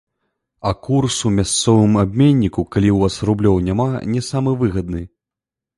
А курс у мясцовым абменніку, калі ў вас рублёў няма, не самы выгадны.